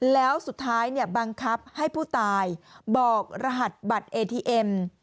แล้วสุดท้ายเนี่ยบังคับให้ผู้ตายบอกรหัสบัตรเอทีเอ็ม